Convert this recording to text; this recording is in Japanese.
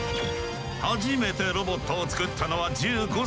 初めてロボットを作ったのは１５歳のとき。